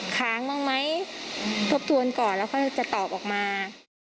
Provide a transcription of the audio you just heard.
ค้างบ้างไหมทบทวนก่อนแล้วค่อยจะตอบออกมา